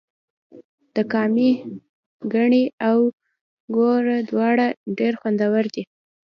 د کامې ګني او ګوړه دواړه ډیر خوندور دي.